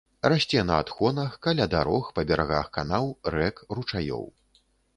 Расце на адхонах, каля дарог, па берагах канаў, рэк, ручаёў.